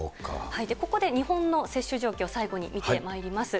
ここで、日本の接種状況、最後に見てまいります。